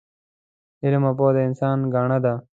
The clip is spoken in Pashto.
علم او پوه د انسان ګاڼه ده